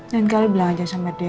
jangan kali bilang aja sama dia